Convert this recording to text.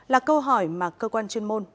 là câu hỏi mà cơ quan chuyên môn